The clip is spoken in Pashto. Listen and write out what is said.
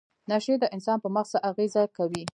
نشې د انسان په مغز څه اغیزه کوي؟